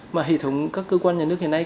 mà hệ thống các cơ quan nhà nước hiện nay